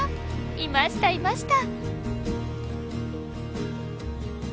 いましたいました。